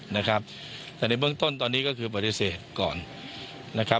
นะครับแต่ในเบื้องต้นตอนนี้ก็คือปฏิเสธก่อนนะครับ